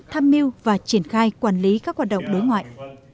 tham mưu và triển khai quản lý các hoạt động đối ngoại